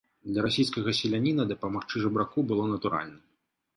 Для расійскага селяніна дапамагчы жабраку было натуральна.